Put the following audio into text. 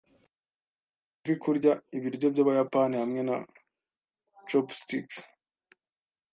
Ntabwo nzi kurya ibiryo byabayapani hamwe na chopsticks.